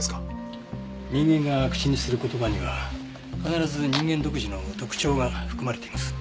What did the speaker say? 人間が口にする言葉には必ず人間独自の特徴が含まれています。